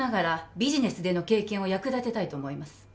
ビジネスでの経験を役立てたいと思います